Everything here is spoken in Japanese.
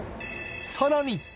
さらに。